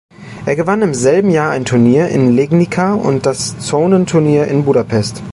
Er gewann im selben Jahr ein Turnier in Legnica und das Zonenturnier in Budapest.